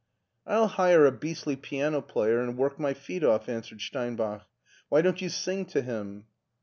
" I'll hire a beastly piano player and work my feet off," answered Steinbach. *'Why don't you sing td him?"